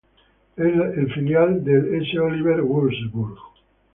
Es el filial del s.Oliver Würzburg.